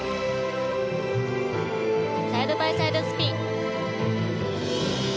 サイドバイサイドスピン。